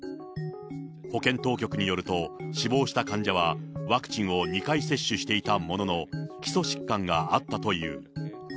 保健当局によると、死亡した患者はワクチンを２回接種していたものの、基礎疾患があったという。